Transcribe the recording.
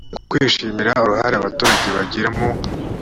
mu kwishimira uruhare abaturage bagira mu